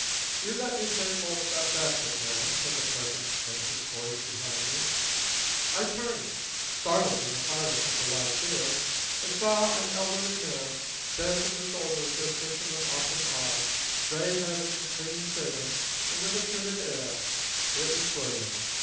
"You let me take holt o' that basket, ma'am," said the pleasant, anxious voice behind me. I turned, startled in the silence of the wide field, and saw an elderly man, bent in the shoulders as fishermen often are, gray headed and clean shaven, and with a timid air. It was William.